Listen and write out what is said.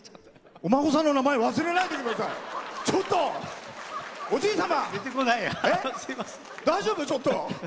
お孫さんの名前忘れないでください、おじい様！